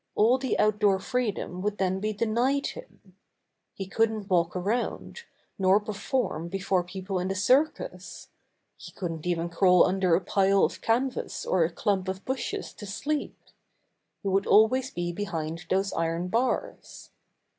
All the outdoor freedom would then be denied him. He couldn't walk around, nor perform before people fn the cir cus; he couldn't even crawl under a pile of canvas or a clump of bushes to sleep. He would always be behind those iron bars.